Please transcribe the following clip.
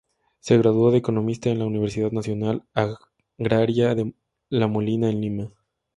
Se graduó de economista en la Universidad Nacional Agraria La Molina, en Lima.